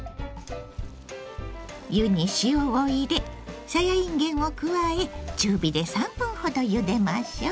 湯に塩を入れさやいんげんを加え中火で３分ほどゆでましょう。